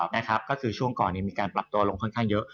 นะครับก็คือช่วงก่อนมีการปรับตัวลงค่อนข้างเยอะ